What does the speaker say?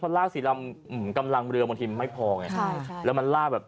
ลากสีลำกำลังเรือบางทีมันไม่พอไงใช่ใช่แล้วมันลากแบบ